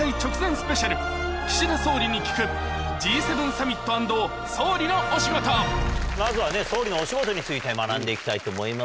スペシャルまずはね総理のお仕事について学んでいきたいと思います。